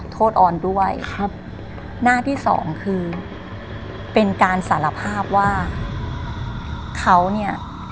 ออนด้วยครับหน้าที่สองคือเป็นการสารภาพว่าเขาเนี่ย